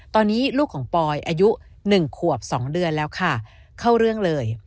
ตอนนี้ลูกของปอยอายุ๑ขวบ๒เดือนแล้วค่ะเข้าเรื่องเลย